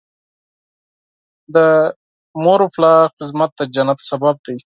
د والدینو خدمت د جنت سبب دی.